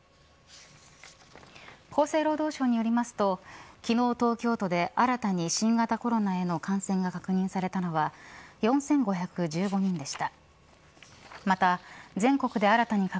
厚生労働省によりますと昨日、東京都で新たに新型コロナへの感染が確認されたのは４５１５人でした。